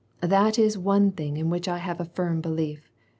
That is one thing in which I have a firm belief.